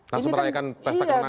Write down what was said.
langsung merayakan pesta kemenangan